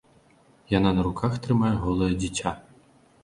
Яна на руках трымае голае дзіця.